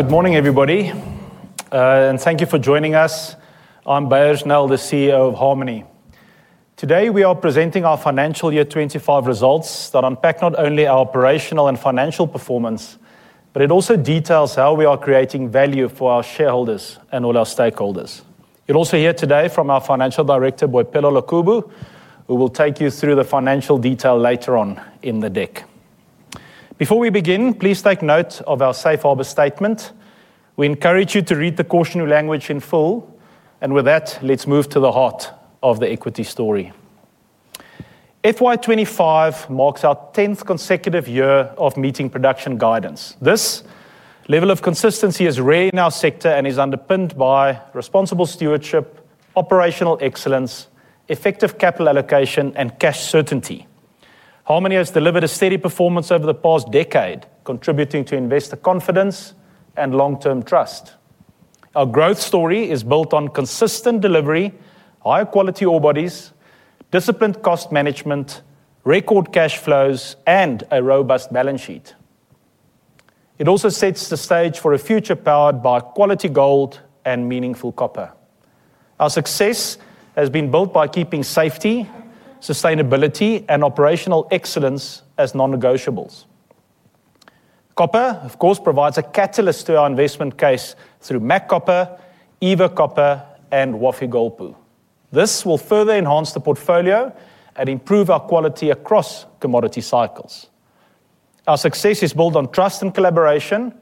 Good morning, everybody, and thank you for joining us. I'm Beyers Nel, the CEO of Harmony. Today, we are presenting our financial year 2025 results that unpack not only our operational and financial performance, but it also details how we are creating value for our shareholders and all our stakeholders. You'll also hear today from our Financial Director, Boipelo Lekubo, who will take you through the financial detail later on in the deck. Before we begin, please take note of our safe harbor statement. We encourage you to read the cautionary language in full, and with that, let's move to the heart of the equity story. FY 2025 marks our 10th consecutive year of meeting production guidance. This level of consistency is rare in our sector and is underpinned by responsible stewardship, operational excellence, effective capital allocation, and cash certainty. Harmony has delivered a steady performance over the past decade, contributing to investor confidence and long-term trust. Our growth story is built on consistent delivery, high-quality ore bodies, disciplined cost management, record cash flows, and a robust balance sheet. It also sets the stage for a future powered by quality gold and meaningful copper. Our success has been built by keeping safety, sustainability, and operational excellence as non-negotiables. Copper, of course, provides a catalyst to our investment case through MAC Copper, Eva Copper project, and Wafi-Golpu. This will further enhance the portfolio and improve our quality across commodity cycles. Our success is built on trust and collaboration,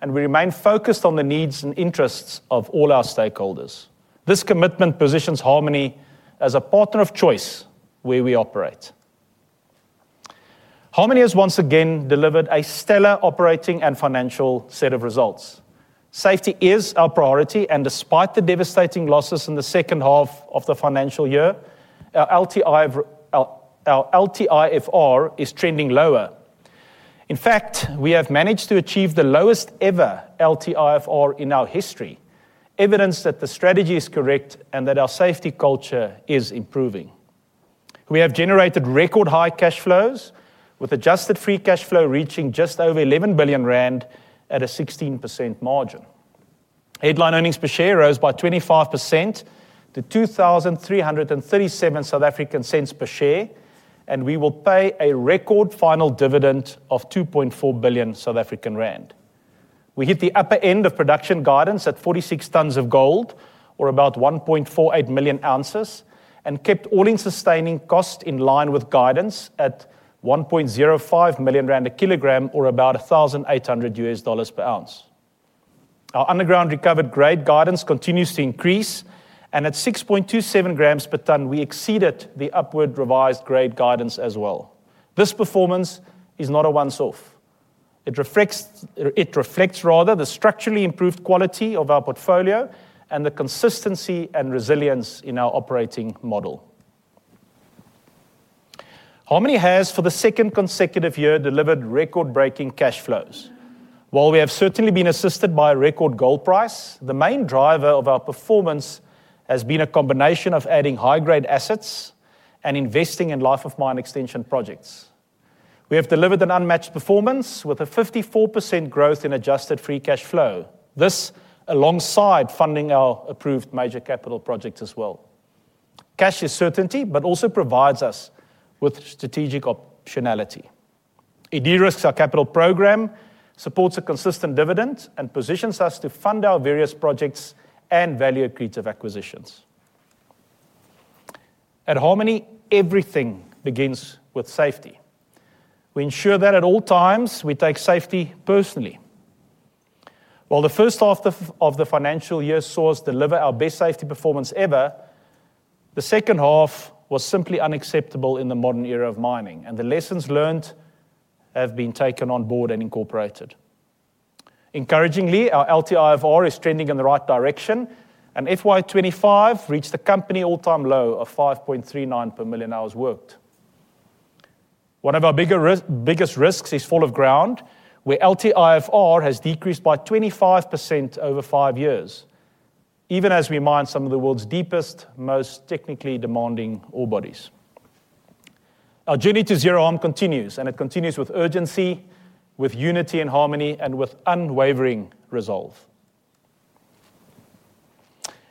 and we remain focused on the needs and interests of all our stakeholders. This commitment positions Harmony as a partner of choice where we operate. Harmony has once again delivered a stellar operating and financial set of results. Safety is our priority, and despite the devastating losses in the second half of the financial year, our LTIFR is trending lower. In fact, we have managed to achieve the lowest ever LTIFR in our history, evidence that the strategy is correct and that our safety culture is improving. We have generated record high cash flows, with adjusted free cash flow reaching just over 11 billion rand at a 16% margin. Headline earnings per share rose by 25% to 23.37 per share, and we will pay a record final dividend of 2.4 billion South African rand. We hit the upper end of production guidance at 46 tons of gold, or about 1.48 million ounces, and kept all-in sustaining costs in line with guidance at 1.05 million rand per kilogram, or about $1,800 per ounce. Our underground recovered grade guidance continues to increase, and at 6.27 grams per ton, we exceeded the upward revised grade guidance as well. This performance is not a once-off. It reflects rather the structurally improved quality of our portfolio and the consistency and resilience in our operating model. Harmony has, for the second consecutive year, delivered record-breaking cash flows. While we have certainly been assisted by a record gold price, the main driver of our performance has been a combination of adding high-grade assets and investing in life-of-mine extension projects. We have delivered an unmatched performance with a 54% growth in adjusted free cash flow, this alongside funding our approved major capital projects as well. Cash is certainty, but also provides us with strategic optionality. Our capital program supports a consistent dividend and positions us to fund our various projects and value-accretive acquisitions. At Harmony, everything begins with safety. We ensure that at all times we take safety personally. While the first half of the financial year saw us deliver our best safety performance ever, the second half was simply unacceptable in the modern era of mining, and the lessons learned have been taken on board and incorporated. Encouragingly, our LTIFR is trending in the right direction, and FY 2025 reached the company all-time low of 5.39 per million hours worked. One of our biggest risks is Fall of Ground, where LTIFR has decreased by 25% over five years, even as we mine some of the world's deepest, most technically demanding ore bodies. Our journey to zero harm continues, and it continues with urgency, with unity in Harmony, and with unwavering resolve.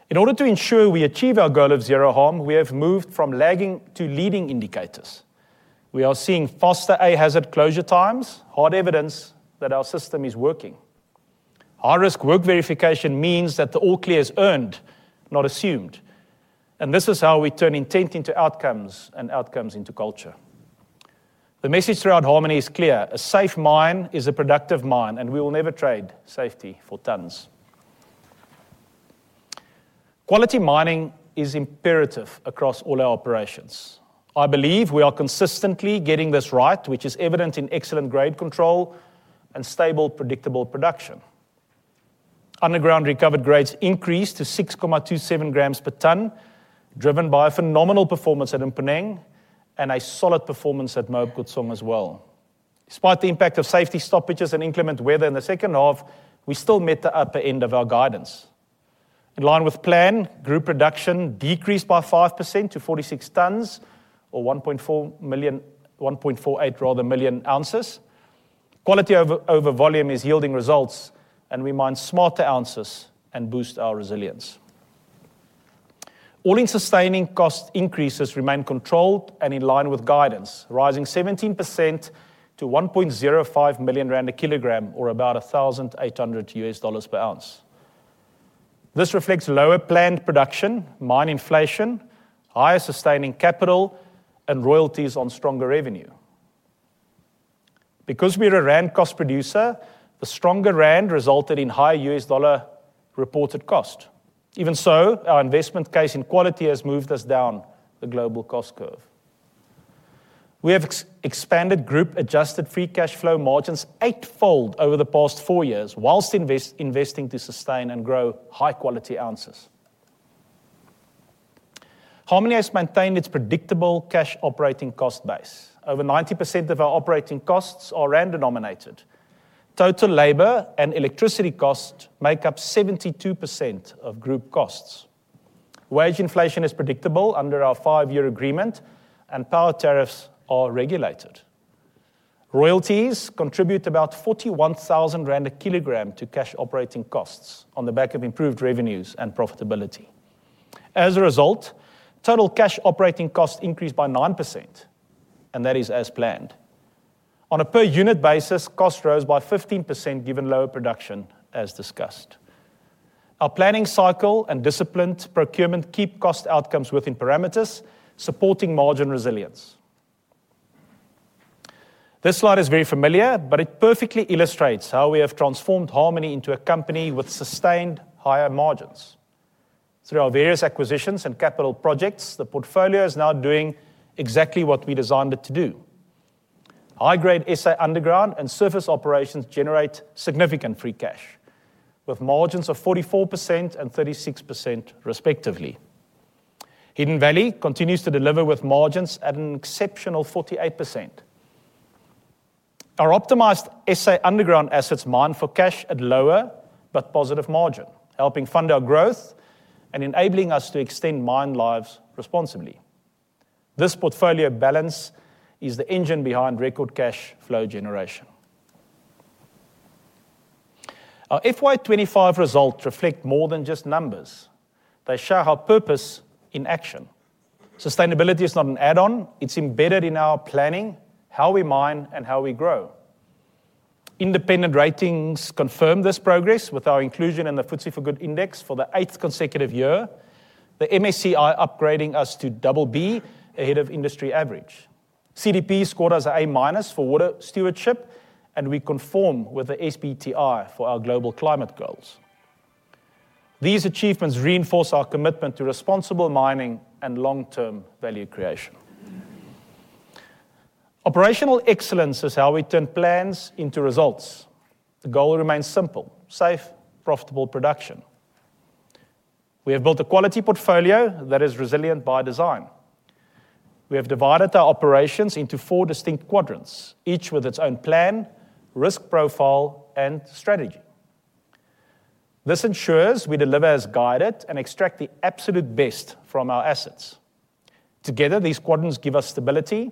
In order to ensure we achieve our goal of zero harm, we have moved from lagging to leading indicators. We are seeing faster hazard closure times, hard evidence that our system is working. High-risk work verification means that the ore clear is earned, not assumed, and this is how we turn intent into outcomes and outcomes into culture. The message throughout Harmony is clear: a safe mine is a productive mine, and we will never trade safety for tons. Quality mining is imperative across all our operations. I believe we are consistently getting this right, which is evident in excellent grade control and stable, predictable production. Underground recovered grades increased to 6.27 grams per ton, driven by a phenomenal performance at Mponeng and a solid performance at Moab Khotsong as well. Despite the impact of safety stoppages and inclement weather in the second half, we still met the upper end of our guidance. In line with plan, group production decreased by 5% to 46 tons, or 1.48 million ounces. Quality over volume is yielding results, and we mine smarter ounces and boost our resilience. All-in sustaining cost increases remain controlled and in line with guidance, rising 17% to 1.05 million rand per kilogram, or about $1,800 per ounce. This reflects lower planned production, mine inflation, higher sustaining capital, and royalties on stronger revenue. Because we are a rand cost producer, the stronger rand resulted in higher US dollar reported cost. Even so, our investment case in quality has moved us down the global cost curve. We have expanded group adjusted free cash flow margins eightfold over the past four years, whilst investing to sustain and grow high-quality ounces. Harmony has maintained its predictable cash operating cost base. Over 90% of our operating costs are rand denominated. Total labor and electricity costs make up 72% of group costs. Wage inflation is predictable under our five-year agreement, and power tariffs are regulated. Royalties contribute about 41,000 rand per kilogram to cash operating costs on the back of improved revenues and profitability. As a result, total cash operating costs increased by 9%, and that is as planned. On a per unit basis, costs rose by 15% given lower production as discussed. Our planning cycle and disciplined procurement keep cost outcomes within parameters, supporting margin resilience. This slide is very familiar, but it perfectly illustrates how we have transformed Harmony into a company with sustained higher margins. Through our various acquisitions and capital projects, the portfolio is now doing exactly what we designed it to do. High-grade SI underground and surface operations generate significant free cash, with margins of 44% and 36% respectively. Hidden Valley continues to deliver with margins at an exceptional 48%. Our optimized SI underground assets mine for cash at lower but positive margin, helping fund our growth and enabling us to extend mine lives responsibly. This portfolio balance is the engine behind record cash flow generation. Our FY 2025 results reflect more than just numbers; they show our purpose in action. Sustainability is not an add-on, it's embedded in our planning, how we mine, and how we grow. Independent ratings confirm this progress with our inclusion in the FTSE4Good Index for the eighth consecutive year, MSCI upgrading us to BB ahead of industry average. CDP scored us an A- for water stewardship, and we conform with the SBTI for our global climate goals. These achievements reinforce our commitment to responsible mining and long-term value creation. Operational excellence is how we turn plans into results. The goal remains simple: safe, profitable production. We have built a quality portfolio that is resilient by design. We have divided our operations into four distinct quadrants, each with its own plan, risk profile, and strategy. This ensures we deliver as guided and extract the absolute best from our assets. Together, these quadrants give us stability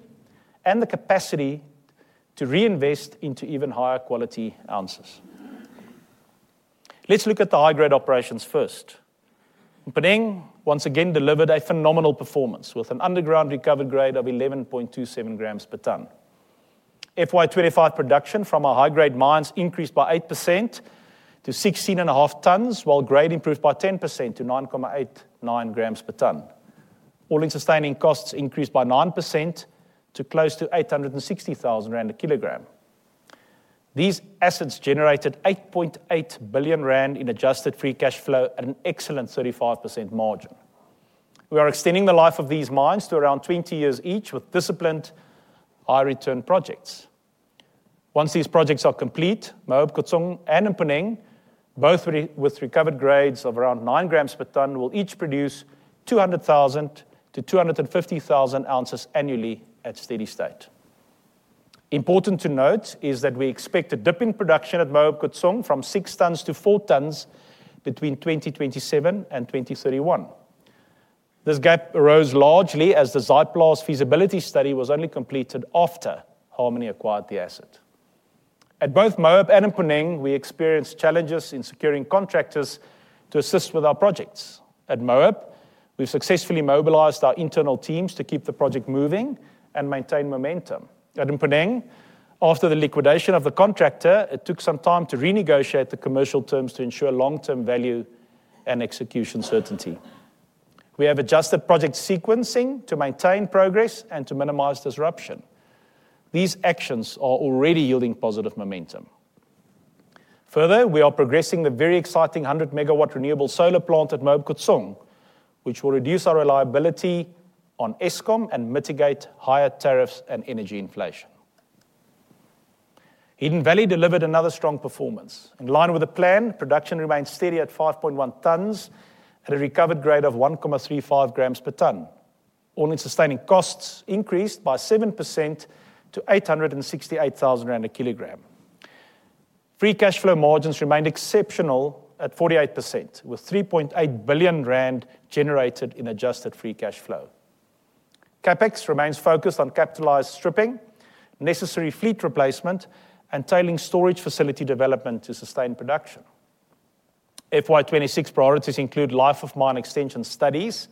and the capacity to reinvest into even higher quality ounces. Let's look at the high-grade operations first. Mponeng once again delivered a phenomenal performance with an underground recovered grade of 11.27 grams per ton. FY 2025 production from our high-grade mines increased by 8% to 16.5 tons, while grade improved by 10% to 9.89 grams per ton. All-in sustaining costs increased by 9% to close to 860,000 rand per kilogram. These assets generated 8.8 billion rand in adjusted free cash flow at an excellent 35% margin. We are extending the life of these mines to around 20 years each with disciplined, high-return projects. Once these projects are complete, Moab Khotsong and Mponeng, both with recovered grades of around 9 grams per ton, will each produce 200,000 to 250,000 ounces annually at steady state. Important to note is that we expect a dipping production at Moab Khotsong from 6 tons to 4 tons between 2027 and 2031. This gap arose largely as the Zaaiplaats feasibility study was only completed after Harmony acquired the asset. At both Moab and Mponeng, we experienced challenges in securing contractors to assist with our projects. At Moab, we've successfully mobilized our internal teams to keep the project moving and maintain momentum. At Mponeng, after the liquidation of the contractor, it took some time to renegotiate the commercial terms to ensure long-term value and execution certainty. We have adjusted project sequencing to maintain progress and to minimize disruption. These actions are already yielding positive momentum. Further, we are progressing the very exciting 100 MW renewable solar plant at Moab Khotsong, which will reduce our reliance on Eskom and mitigate higher tariffs and energy inflation. Hidden Valley delivered another strong performance. In line with the plan, production remains steady at 5.1 tons at a recovered grade of 1.35 grams per ton. All-in sustaining costs increased by 7% to 868,000 rand per kilogram. Free cash flow margins remained exceptional at 48%, with 3.8 billion rand generated in adjusted free cash flow. CapEx remains focused on capitalized stripping, necessary fleet replacement, and tailings storage facility development to sustain production. FY 2026 priorities include life-of-mine extension studies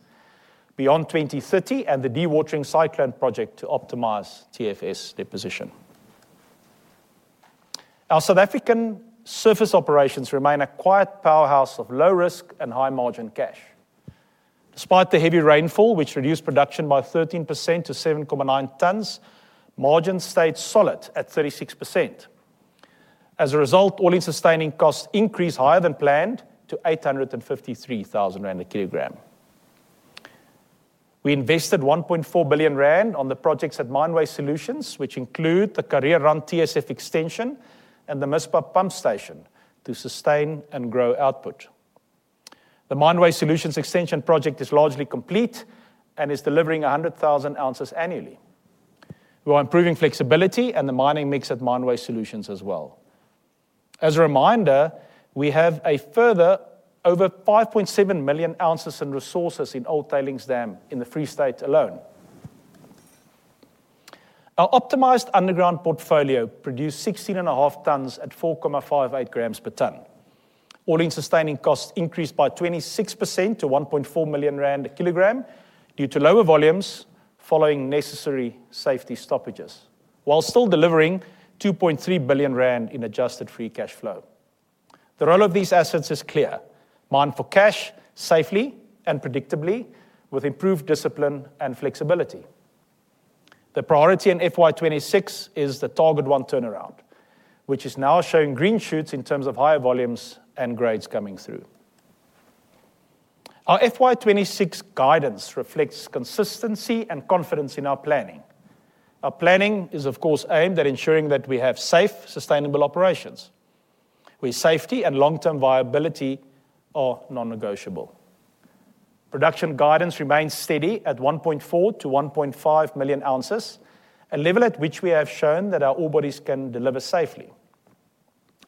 beyond 2030 and the dewatering cyclone project to optimize TSF deposition. Our South African surface operations remain a quiet powerhouse of low risk and high margin cash. Despite the heavy rainfall, which reduced production by 13% to 7.9 tons, margins stayed solid at 36%. As a result, all-in sustaining costs increased higher than planned to 853,000 rand per kilogram. We invested 1.4 billion rand on the projects at Mine Waste Solutions, which include the Kareerand TSF extension and the MWS pump station to sustain and grow output. The Mine Waste Solutions extension project is largely complete and is delivering 100,000 ounces annually. We are improving flexibility and the mining mix at Mine Waste Solutions as well. As a reminder, we have a further over 5.7 million ounces in resources in Old Tailings Dam in the Free State alone. Our optimized underground portfolio produced 16.5 tons at 4.58 grams per ton. All-in sustaining costs increased by 26% to 1.4 million rand per kilogram due to lower volumes following necessary safety stoppages, while still delivering 2.3 billion rand in adjusted free cash flow. The role of these assets is clear: mine for cash, safely and predictably, with improved discipline and flexibility. The priority in FY2026 is the Target 1 turnaround, which is now showing green shoots in terms of higher volumes and grades coming through. Our FY 2026 guidance reflects consistency and confidence in our planning. Our planning is, of course, aimed at ensuring that we have safe, sustainable operations, where safety and long-term viability are non-negotiable. Production guidance remains steady at 1.4 million to 1.5 million ounces, a level at which we have shown that our ore bodies can deliver safely.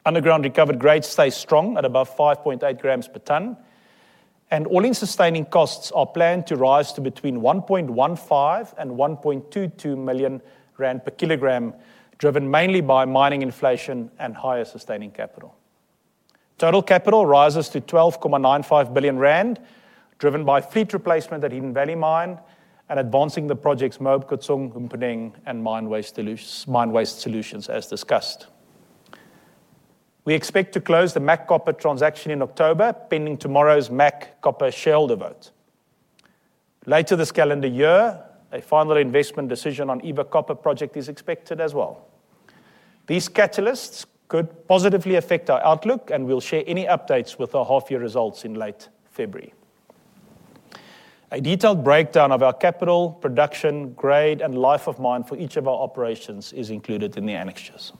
Underground recovered grades stay strong at about 5.8 grams per ton, and all-in sustaining costs are planned to rise to between 1.15 million and 1.22 million rand per kilogram, driven mainly by mining inflation and higher sustaining capital. Total capital rises to 12.95 billion rand, driven by fleet replacement at Hidden Valley Mine and advancing the projects Moab Khotsong, Mponeng, and Mineway Solutions as discussed. We expect to close the MAC Copper transaction in October, pending tomorrow's MAC Copper shareholder vote. Later this calendar year, a final investment decision on the Eva Copper project is expected as well. These catalysts could positively affect our outlook, and we'll share any updates with our half-year results in late February. A detailed breakdown of our capital, production, grade, and life of mine for each of our operations is included in the annexes.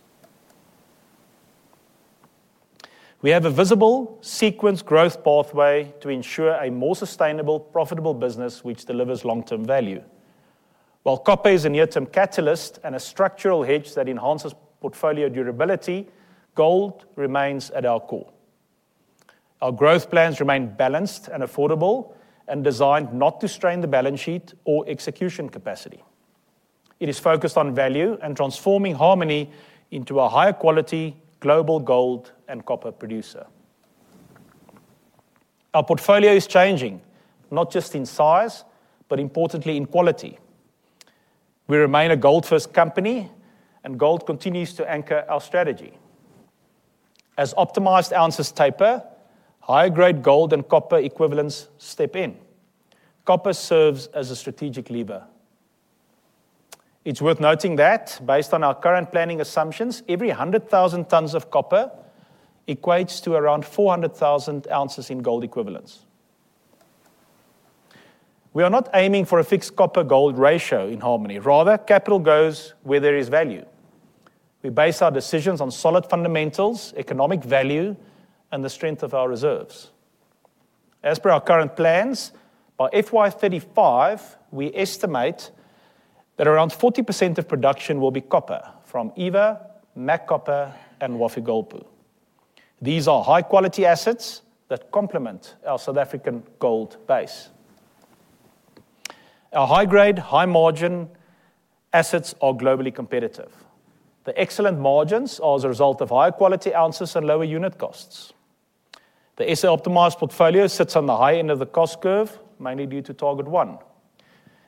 We have a visible sequenced growth pathway to ensure a more sustainable, profitable business which delivers long-term value. While copper is a near-term catalyst and a structural hedge that enhances portfolio durability, gold remains at our core. Our growth plans remain balanced and affordable and designed not to strain the balance sheet or execution capacity. It is focused on value and transforming Harmony into a high-quality global gold and copper producer. Our portfolio is changing, not just in size, but importantly in quality. We remain a gold-first company, and gold continues to anchor our strategy. As optimized ounces taper, higher grade gold and copper equivalents step in. Copper serves as a strategic lever. It's worth noting that, based on our current planning assumptions, every 100,000 tons of copper equates to around 400,000 ounces in gold equivalents. We are not aiming for a fixed copper-gold ratio in Harmony; rather, capital goes where there is value. We base our decisions on solid fundamentals, economic value, and the strength of our reserves. As per our current plans, by FY 2035, we estimate that around 40% of production will be copper from Eva, MAC Copper, and Wafi-Golpu. These are high-quality assets that complement our South African gold base. Our high-grade, high-margin assets are globally competitive. The excellent margins are as a result of higher quality ounces and lower unit costs. The SI optimized portfolio sits on the high end of the cost curve, mainly due to Target One.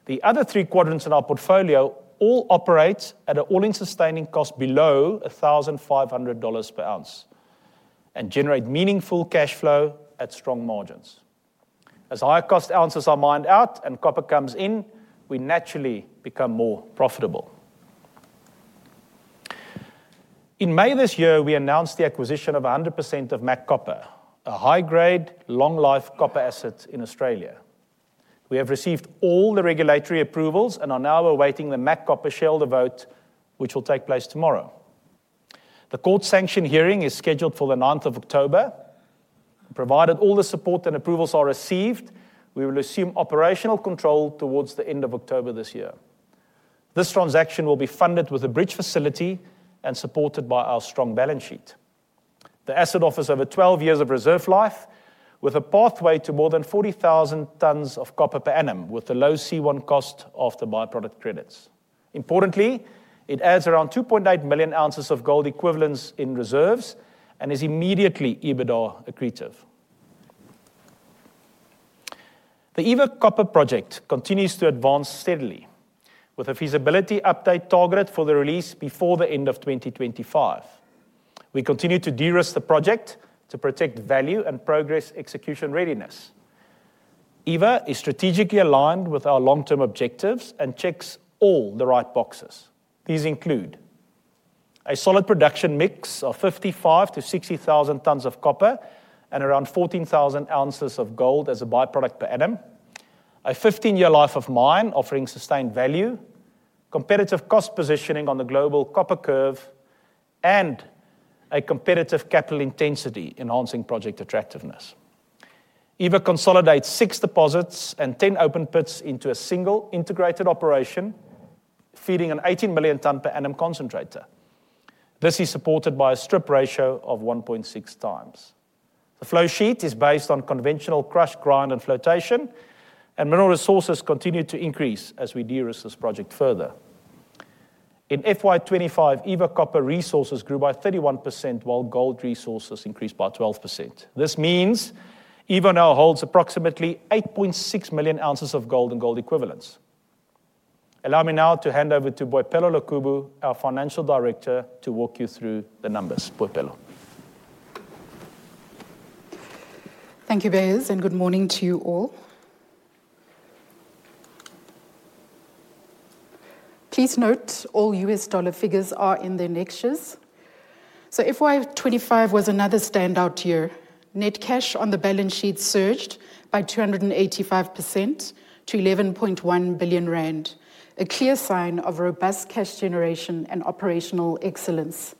The other three quadrants in our portfolio all operate at an all-in sustaining cost below $1,500 per ounce and generate meaningful cash flow at strong margins. As higher cost ounces are mined out and copper comes in, we naturally become more profitable. In May this year, we announced the acquisition of 100% of MAC Copper, a high-grade, long-life copper asset in Australia. We have received all the regulatory approvals and are now awaiting the MAC Copper shareholder vote, which will take place tomorrow. The court sanction hearing is scheduled for the 9th of October. Provided all the support and approvals are received, we will assume operational control towards the end of October this year. This transaction will be funded with a bridge facility and supported by our strong balance sheet. The asset offers over 12 years of reserve life, with a pathway to more than 40,000 tons of copper per annum with the low C1 cost after byproduct credits. Importantly, it adds around 2.8 million ounces of gold equivalents in reserves and is immediately EBITDA accretive. The Eva Copper project continues to advance steadily, with a feasibility update targeted for the release before the end of 2025. We continue to de-risk the project to protect value and progress execution readiness. Eva is strategically aligned with our long-term objectives and checks all the right boxes. These include a solid production mix of 55,000 to 60,000 tons of copper and around 14,000 ounces of gold as a byproduct per annum, a 15-year life of mine offering sustained value, competitive cost positioning on the global copper curve, and a competitive capital intensity enhancing project attractiveness. Eva consolidates six deposits and 10 open pits into a single integrated operation, feeding an 18 million tons per annum concentrator. This is supported by a strip ratio of 1.6x. The flow sheet is based on conventional crush, grind, and flotation, and mineral resources continue to increase as we de-risk this project further. In FY 2025, Eva copper resources grew by 31%, while gold resources increased by 12%. This means Eva now holds approximately 8.6 million ounces of gold and gold equivalents. Allow me now to hand over to Boipelo Lekubo, our Financial Director, to walk you through the numbers. Boipelo. Thank you, Beyers, and good morning to you all. Please note all US dollar figures are in the annexes. FY 2025 was another standout year. Net cash on the balance sheet surged by 285% to 11.1 billion rand, a clear sign of robust cash generation and operational excellence.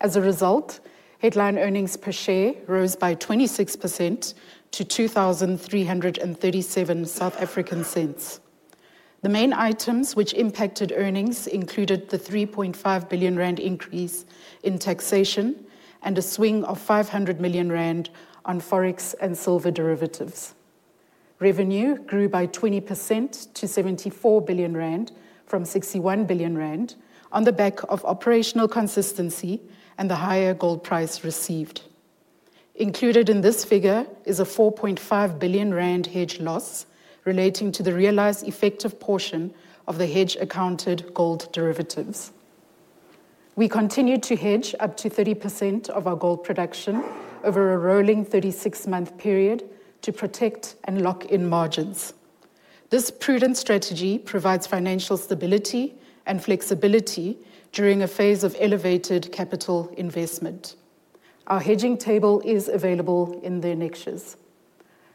As a result, headline earnings per share rose by 26% to ZAR 23.37. The main items which impacted earnings included the 3.5 billion rand increase in taxation and a swing of 500 million rand on forex and silver derivatives. Revenue grew by 20% to 74 billion rand from 61 billion rand on the back of operational consistency and the higher gold price received. Included in this figure is a 4.5 billion rand hedge loss relating to the realized effective portion of the hedge accounted gold derivatives. We continued to hedge up to 30% of our gold production over a rolling 36-month period to protect and lock in margins. This prudent strategy provides financial stability and flexibility during a phase of elevated capital investment. Our hedging table is available in the annexes.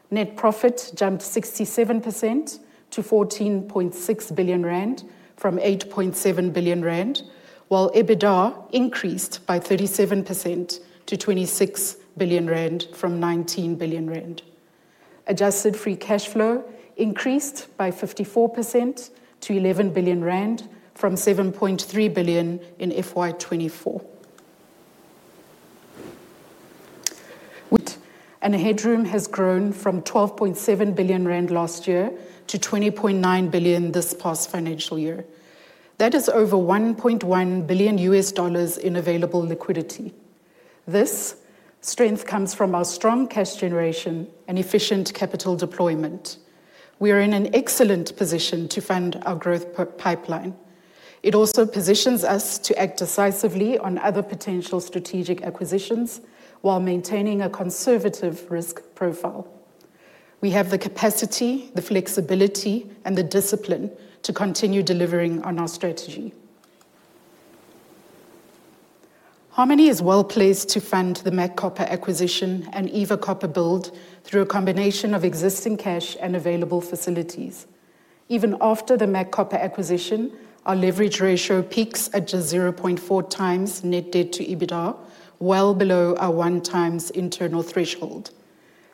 Net profit jumped 67% to 14.6 billion rand from 8.7 billion rand, while EBITDA increased by 37% to 26 billion rand from 19 billion rand. Adjusted free cash flow increased by 54% to 11 billion rand from 7.3 billion in FY 2024. The headroom has grown from 12.7 billion rand last year to 20.9 billion this past financial year. That is over $1.1 billion in available liquidity. This strength comes from our strong cash generation and efficient capital deployment. We are in an excellent position to fund our growth pipeline. It also positions us to act decisively on other potential strategic acquisitions while maintaining a conservative risk profile. We have the capacity, the flexibility, and the discipline to continue delivering on our strategy. Harmony is well placed to fund the MAC Copper acquisition and Eva Copper build through a combination of existing cash and available facilities. Even after the MAC Copper acquisition, our leverage ratio peaks at just 0.4x net debt to EBITDA, well below our one-times internal threshold.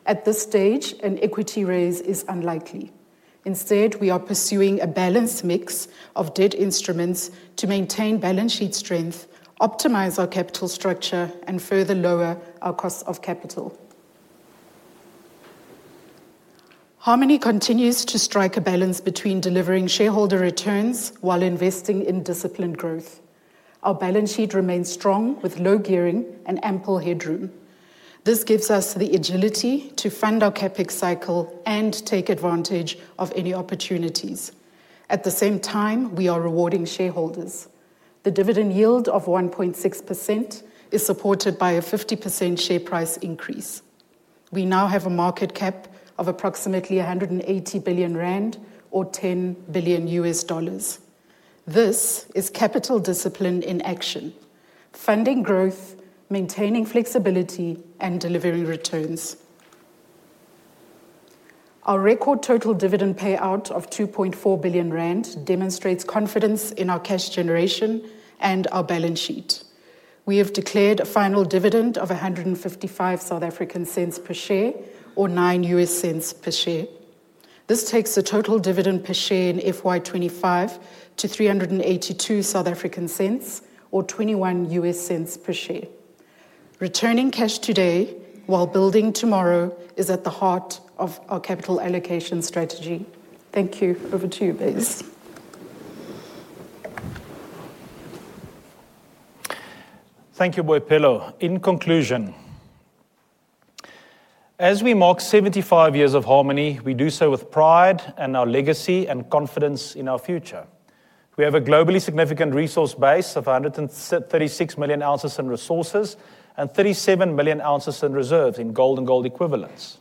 At this stage, an equity raise is unlikely. Instead, we are pursuing a balanced mix of debt instruments to maintain balance sheet strength, optimize our capital structure, and further lower our cost of capital. Harmony continues to strike a balance between delivering shareholder returns while investing in disciplined growth. Our balance sheet remains strong with low gearing and ample headroom. This gives us the agility to fund our CapEx cycle and take advantage of any opportunities. At the same time, we are rewarding shareholders. The dividend yield of 1.6% is supported by a 50% share price increase. We now have a market cap of approximately 180 billion rand or $10 billion. This is capital discipline in action, funding growth, maintaining flexibility, and delivering returns. Our record total dividend payout of 2.4 billion rand demonstrates confidence in our cash generation and our balance sheet. We have declared a final dividend of 1.55 per share, or $0.09 per share. This takes the total dividend per share in FY 2025 to 3.82, or $0.21 per share. Returning cash today while building tomorrow is at the heart of our capital allocation strategy. Thank you. Over to you, Beyers. Thank you, Boipelo. In conclusion, as we mark 75 years of Harmony, we do so with pride in our legacy and confidence in our future. We have a globally significant resource base of 136 million ounces in resources and 37 million ounces in reserves in gold and gold equivalents.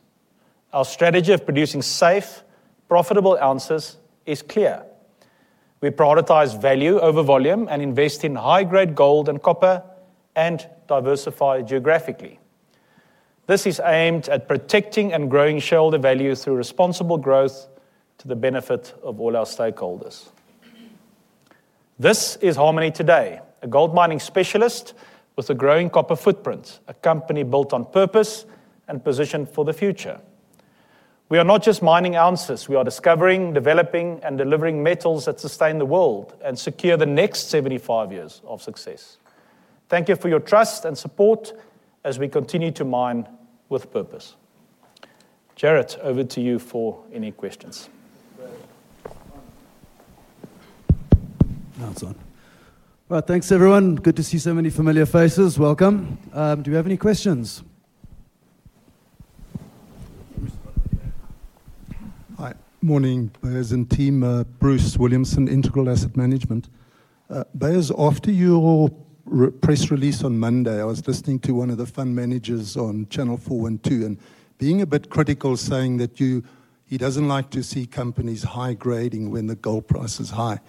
Our strategy of producing safe, profitable ounces is clear. We prioritize value over volume and invest in high-grade gold and copper and diversify geographically. This is aimed at protecting and growing shareholder value through responsible growth to the benefit of all our stakeholders. This is Harmony today, a gold mining specialist with a growing copper footprint, a company built on purpose and positioned for the future. We are not just mining ounces; we are discovering, developing, and delivering metals that sustain the world and secure the next 75 years of success. Thank you for your trust and support as we continue to mine with purpose. Jared, over to you for any questions. Thank you, everyone. Good to see so many familiar faces. Welcome. Do we have any questions? Morning, Beyers and team, Bruce Williamson, Integral Asset Management. Beyers, after your press release on Monday, I was listening to one of the fund managers on Channel 412 and being a bit critical, saying that he doesn't like to see companies high grading when the gold price is high.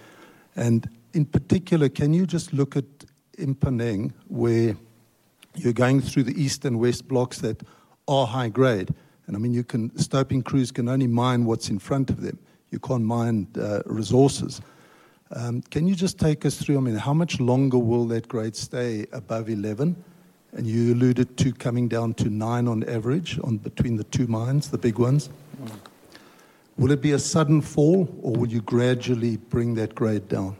In particular, can you just look at Mponeng where you're going through the east and west blocks that are high grade? I mean, you can stop in crews, can only mine what's in front of them. You can't mine resources. Can you just take us through how much longer will that grade stay above 11? You alluded to coming down to 9 on average between the two mines, the big ones. Would it be a sudden fall or would you gradually bring that grade down?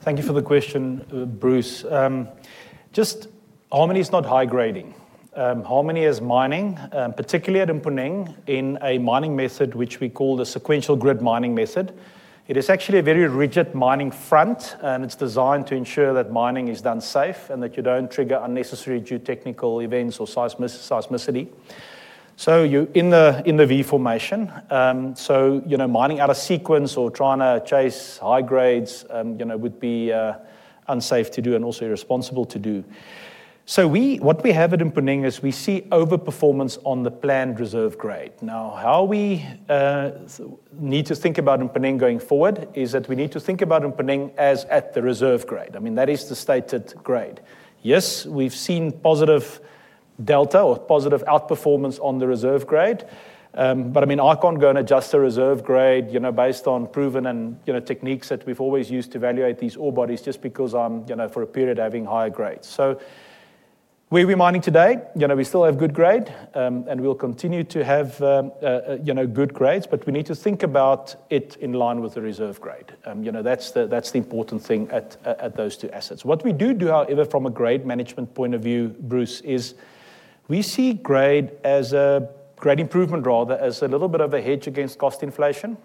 Thank you for the question, Bruce. Harmony is not high grading. Harmony is mining, particularly at Mponeng, in a mining method which we call the sequential grid mining method. It is actually a very rigid mining front, and it's designed to ensure that mining is done safe and that you don't trigger unnecessary geotechnical events or seismicity. You're in the V formation. Mining out of sequence or trying to chase high grades would be unsafe to do and also irresponsible to do. What we have at Mponeng is we see overperformance on the planned reserve grade. How we need to think about Mponeng going forward is that we need to think about Mponeng as at the reserve grade. That is the stated grade. Yes, we've seen positive delta or positive outperformance on the reserve grade. I can't go and adjust the reserve grade based on proven and techniques that we've always used to evaluate these ore bodies just because I'm, for a period, having higher grades. Where we're mining today, we still have good grade, and we'll continue to have good grades, but we need to think about it in line with the reserve grade. That's the important thing at those two assets. What we do do, however, from a grade management point of view, Bruce, is we see grade as a grade improvement rather than as a little bit of a hedge against cost inflation.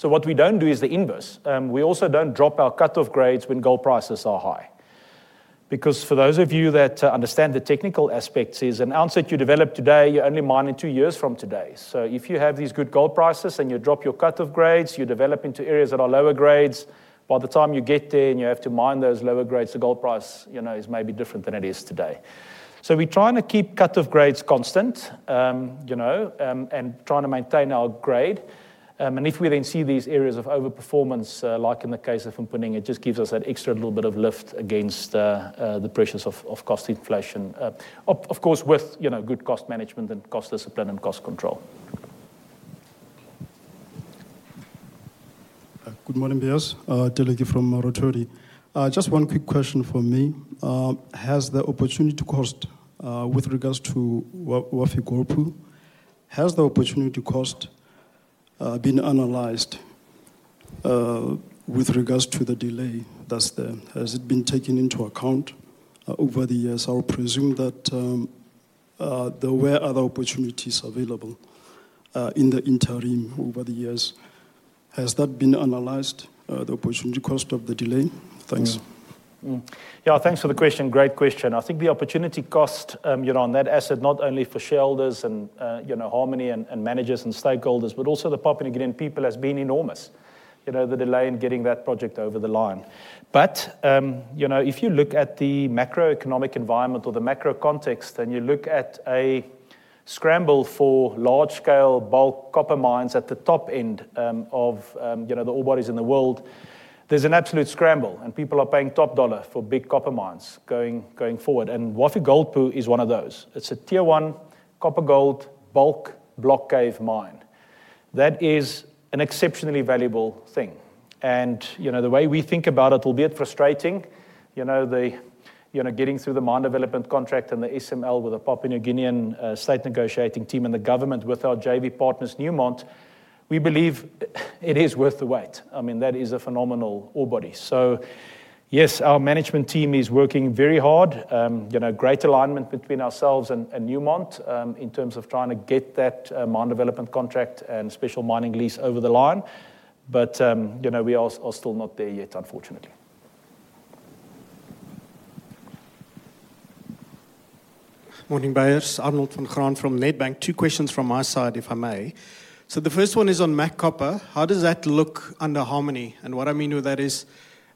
What we don't do is the inverse. We also don't drop our cut-off grades when gold prices are high. For those of you that understand the technical aspects, an ounce that you develop today, you're only mining two years from today. If you have these good gold prices and you drop your cut-off grades, you develop into areas that are lower grades. By the time you get there and you have to mine those lower grades, the gold price is maybe different than it is today. We're trying to keep cut-off grades constant and trying to maintain our grade. If we then see these areas of overperformance, like in the case of Mponeng, it just gives us that extra little bit of lift against the pressures of cost inflation, of course, with good cost management and cost discipline and cost control. Good morning, Beyers, from Rotorde. Just one quick question for me. Has the opportunity cost with regards to Wafi-Golpu? Has the opportunity cost been analyzed with regards to the delay that's there? Has it been taken into account over the years? I would presume that there were other opportunities available in the interim over the years. Has that been analyzed, the opportunity cost of the delay? Thanks. Yeah, thanks for the question. Great question. I think the opportunity cost on that asset, not only for shareholders and Harmony and managers and stakeholders, but also the Papua New Guinea people, has been enormous. The delay in getting that project over the line. If you look at the macroeconomic environment or the macro context and you look at a scramble for large-scale bulk copper mines at the top end of the ore bodies in the world, there's an absolute scramble and people are paying top dollar for big copper mines going forward. Wafi-Golpu is one of those. It's a tier one copper-gold bulk block cave mine. That is an exceptionally valuable thing. The way we think about it, albeit frustrating, getting through the mine development contract and the SML with the Papua New Guinea state negotiating team and the government with our JV partners, Newmont, we believe it is worth the wait. I mean, that is a phenomenal ore body. Yes, our management team is working very hard. Great alignment between ourselves and Newmont in terms of trying to get that mine development contract and special mining lease over the line. We are still not there yet, unfortunately. Morning, Beyers. Arnold Van Gaan from Nedbank. Two questions from my side, if I may. The first one is on MAC Copper. How does that look under Harmony? What I mean with that is,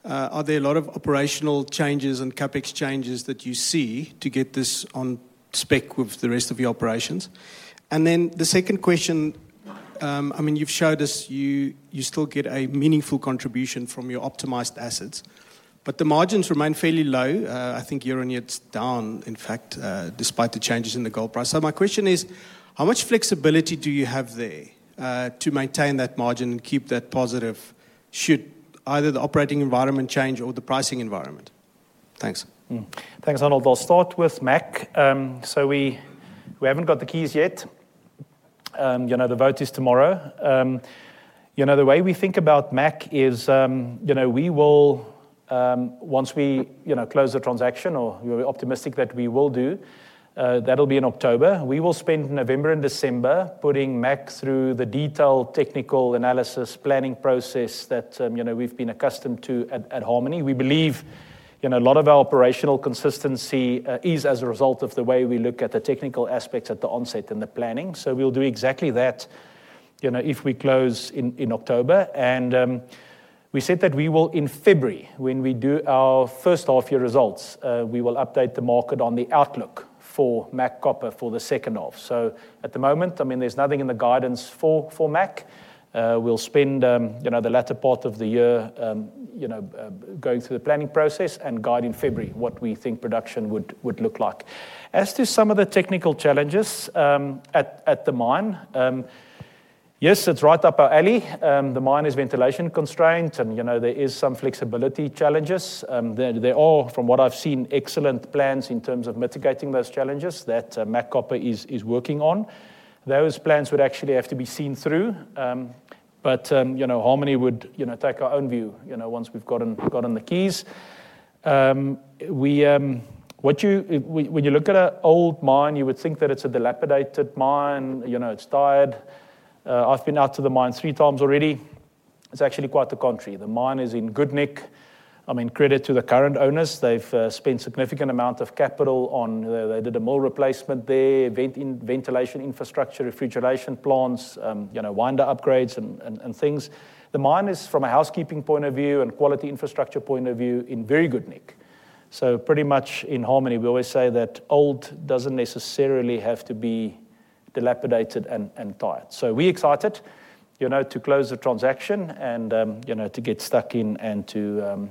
are there a lot of operational changes and CapEx changes that you see to get this on spec with the rest of your operations? The second question, you've showed us you still get a meaningful contribution from your optimized assets, but the margins remain fairly low. I think you're on your down, in fact, despite the changes in the gold price. My question is, how much flexibility do you have there to maintain that margin and keep that positive? Should either the operating environment change or the pricing environment? Thanks. Thanks, Arnold. I'll start with MAC. We haven't got the keys yet. The vote is tomorrow. The way we think about MAC is, we will, once we close the transaction, or we're optimistic that we will do, that'll be in October. We will spend November and December putting MAC through the detailed technical analysis planning process that we've been accustomed to at Harmony. We believe a lot of our operational consistency is as a result of the way we look at the technical aspects at the onset and the planning. We'll do exactly that if we close in October. We said that we will, in February, when we do our first half-year results, update the market on the outlook for MAC Copper for the second half. At the moment, there's nothing in the guidance for MAC. We'll spend the latter part of the year going through the planning process and guide in February what we think production would look like. As to some of the technical challenges at the mine, yes, it's right up our alley. The mine is ventilation constrained, and there are some flexibility challenges. They're all, from what I've seen, excellent plans in terms of mitigating those challenges that MAC Copper is working on. Those plans would actually have to be seen through. Harmony would take our own view once we've gotten the keys. When you look at an old mine, you would think that it's a dilapidated mine. It's tired. I've been out to the mines three times already. It's actually quite the contrary. The mine is in good nick. Credit to the current owners. They've spent a significant amount of capital on a mill replacement there, ventilation infrastructure, refrigeration plants, winder upgrades and things. The mine is, from a housekeeping point of view and quality infrastructure point of view, in very good nick. Pretty much in Harmony, we always say that old doesn't necessarily have to be dilapidated and tired. We're excited to close the transaction and to get stuck in and to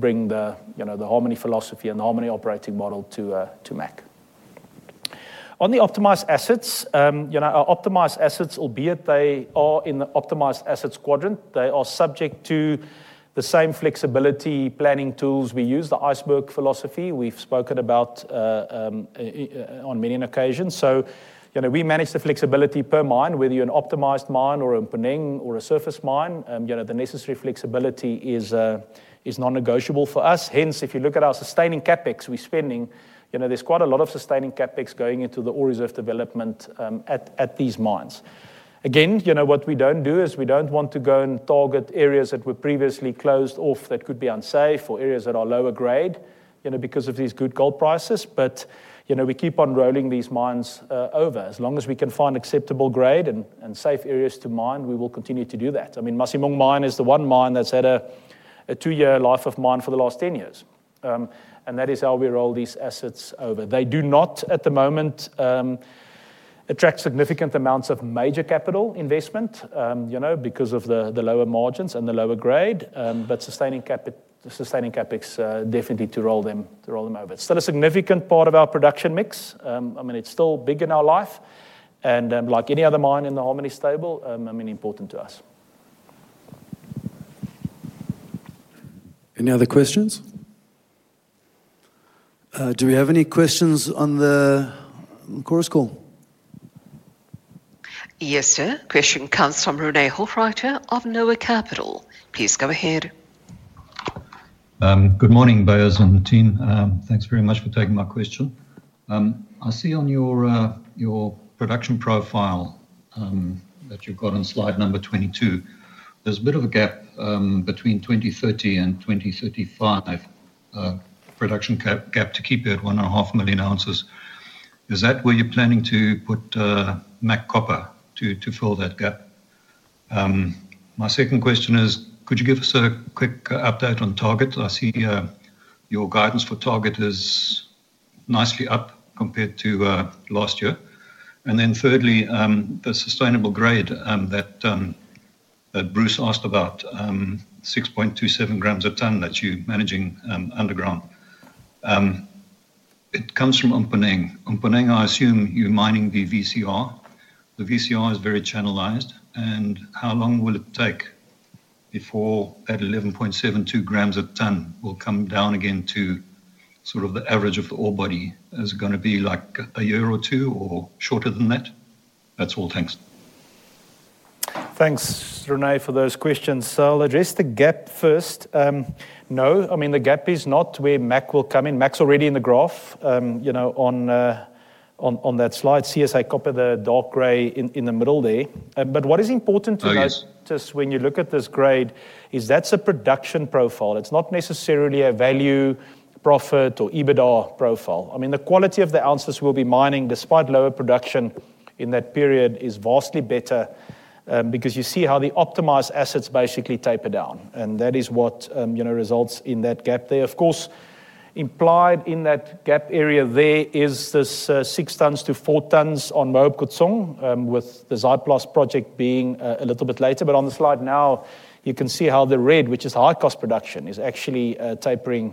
bring the Harmony philosophy and the Harmony operating model to MAC. On the optimized assets, you know, our optimized assets, albeit they are in the optimized assets quadrant, they are subject to the same flexibility planning tools we use, the iceberg philosophy we've spoken about on many occasions. You know, we manage the flexibility per mine, whether you're an optimized mine or a Mponeng or a surface mine. The necessary flexibility is non-negotiable for us. Hence, if you look at our sustaining CapEx, we're spending, you know, there's quite a lot of sustaining CapEx going into the ore reserve development at these mines. Again, what we don't do is we don't want to go and target areas that were previously closed off that could be unsafe or areas that are lower grade, you know, because of these good gold prices. We keep on rolling these mines over. As long as we can find acceptable grade and safe areas to mine, we will continue to do that. I mean, Masimong Mine is the one mine that's had a two-year life of mine for the last 10 years. That is how we roll these assets over. They do not, at the moment, attract significant amounts of major capital investment, you know, because of the lower margins and the lower grade. Sustaining CapEx, definitely to roll them over. It's still a significant part of our production mix. I mean, it's still big in our life. Like any other mine in the Harmony stable, I mean, important to us. Any other questions? Do we have any questions on the course call? Yes, sir. Question comes from René Hochreiter of NOAH Capital. Please go ahead. Good morning, Beyers and the team. Thanks very much for taking my question. I see on your production profile that you've got on slide number 22, there's a bit of a gap between 2030 and 2035, a production gap to keep you at 1.5 million ounces. Is that where you're planning to put MAC Copper to fill that gap? My second question is, could you give us a quick update on Target? I see your guidance for Target is nicely up compared to last year. Thirdly, the sustainable grade that Bruce asked about, 6.27 grams a ton that you're managing underground. It comes from Mponeng. Mponeng, I assume you're mining the VCR. The VCR is very channelized. How long will it take before that 11.72 grams a ton will come down again to sort of the average of the ore body? Is it going to be like a year or two or shorter than that? That's all, thanks. Thanks, René, for those questions. I'll address the gap first. No, the gap is not where MAC will come in. MAC's already in the graph, you know, on that slide. MAC Copper, the dark gray in the middle there. What is important to notice when you look at this grade is that's a production profile. It's not necessarily a value profit or EBITDA profile. The quality of the ounces we'll be mining, despite lower production in that period, is vastly better because you see how the optimized assets basically taper down. That is what results in that gap there. Of course, implied in that gap area there is this six tons to four tons on Moab Khotsong, with the Zyplaw project being a little bit later. On the slide now, you can see how the red, which is high cost production, is actually tapering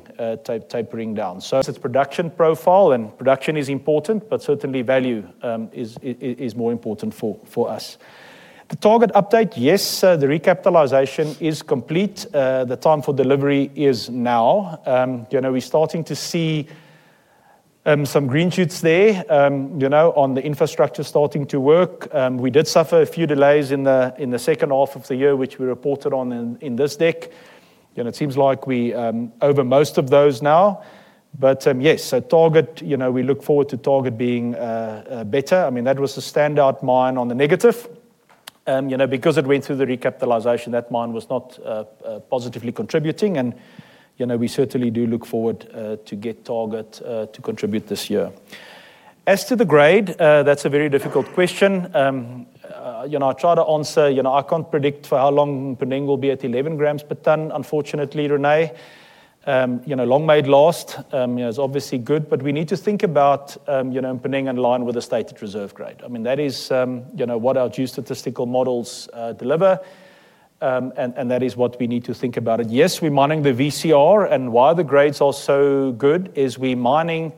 down. It's a production profile and production is important, but certainly value is more important for us. The target update, yes, the recapitalization is complete. The time for delivery is now. We're starting to see some green shoots there, you know, on the infrastructure starting to work. We did suffer a few delays in the second half of the year, which we reported on in this deck. It seems like we're over most of those now. Yes, so target, we look forward to target being better. That was a standout mine on the negative. Because it went through the recapitalization, that mine was not positively contributing. We certainly do look forward to get target to contribute this year. As to the grade, that's a very difficult question. I try to answer, I can't predict for how long Mponeng will be at 11 grams per ton. Unfortunately, René, long may it last is obviously good, but we need to think about Mponeng in line with the stated reserve grade. That is what our geostatistical models deliver. That is what we need to think about. Yes, we're mining the VCR. Why the grades are so good is we're mining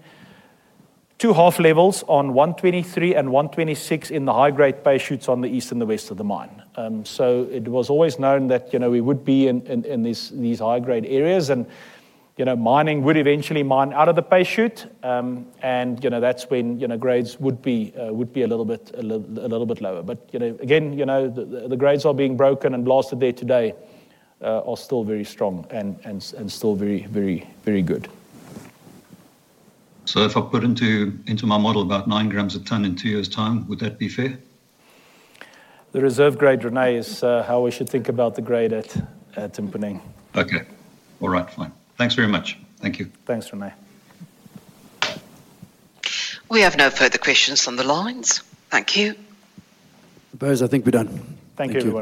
two half levels on 123 and 126 in the high grade payshoots on the east and the west of the mine. It was always known that we would be in these high grade areas and mining would eventually mine out of the payshoot. That's when grades would be a little bit lower. Again, the grades are being broken and blasted day to day are still very strong and still very, very, very good. If I put into my model about 9 grams a ton in two years' time, would that be fair? The reserve grade, René, is how we should think about the grade at Mponeng. Okay, all right, fine. Thanks very much. Thank you. Thanks, Renee. We have no further questions on the lines. Thank you. Beyers, I think we're done. Thank you.